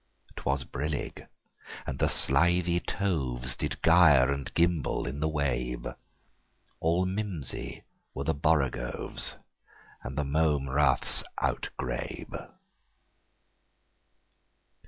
'T was brillig, and the slithy tovesDid gyre and gimble in the wabe; All mimsy were the borogoves, And the mome raths outgrabe.